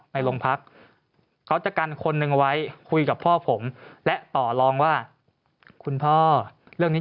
ในโรงพักเขาจะกันคนหนึ่งไว้คุยกับพ่อผมและต่อรองว่าคุณพ่อเรื่องนี้